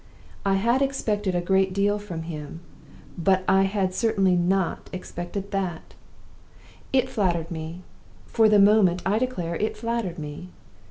I had expected a great deal from him, but I had certainly not expected that. It flattered me. For the moment, I declare it flattered me!